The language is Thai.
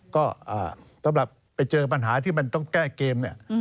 ก็ต้องแบบไปเจอปัญหาที่มันต้องแก้เกม